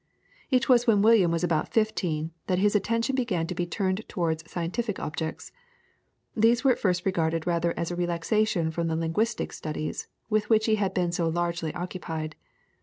It was when William was about fifteen that his attention began to be turned towards scientific subjects. These were at first regarded rather as a relaxation from the linguistic studies with which he had been so largely occupied.